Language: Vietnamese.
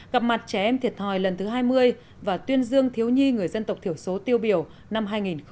gặp mặt trẻ em thiệt thòi lần thứ hai mươi và tuyên dương thiếu nhi người dân tộc thiểu số tiêu biểu năm hai nghìn một mươi chín